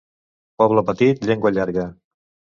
Poble petit, llengua llarga.